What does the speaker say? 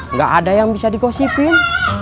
nggak ada yang bisa dikosipin